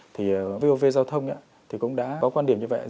thì vov giao thông thì cũng đã có quan điểm như vậy